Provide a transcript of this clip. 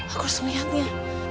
aku harus melihatnya